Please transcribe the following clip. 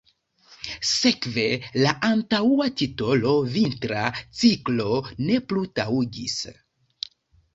Sekve la antaŭa titolo „Vintra Ciklo" ne plu taŭgis.